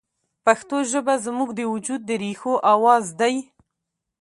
پښتو ژبه زموږ د وجود د ریښو اواز دی